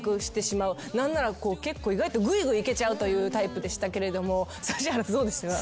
何なら結構意外とぐいぐいいけちゃうタイプでしたけれど指原さんどうでしたか？